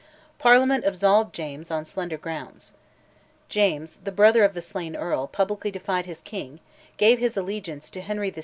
Parliament absolved James on slender grounds. James, the brother of the slain earl, publicly defied his king, gave his allegiance to Henry VI.